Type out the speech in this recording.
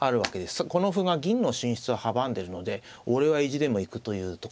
この歩が銀の進出を阻んでるので俺は意地でも行くというところです。